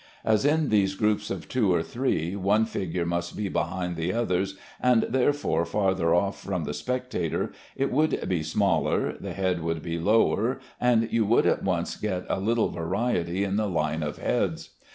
As in these groups of two or three one figure must be behind the others, and therefore farther off from the spectator, it would be smaller, the head would be lower, and you would at once get a little variety in the line of heads.